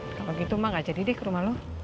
kalau gitu mak gak jadi deh ke rumah lu